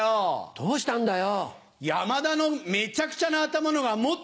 どうしたんだよ？